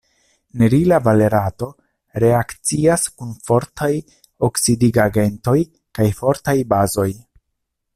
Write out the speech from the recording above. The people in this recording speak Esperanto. Nerila valerato reakcias kun fortaj oksidigagentoj kaj fortaj bazoj.